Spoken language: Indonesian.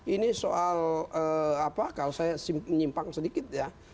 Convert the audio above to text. ini soal apa kalau saya menyimpang sedikit ya